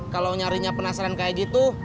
kalau nyarinya penasaran kayak gitu